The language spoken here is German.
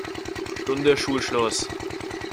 Stunde Schulschluss.